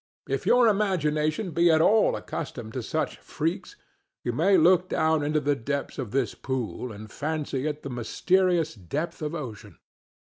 If your imagination be at all accustomed to such freaks, you may look down into the depths of this pool and fancy it the mysterious depth of ocean.